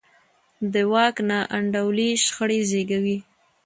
د واک ناانډولي شخړې زېږوي